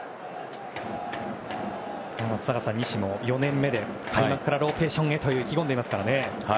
松坂さん、西も４年目で開幕からローテーションへと意気込んでいますからね。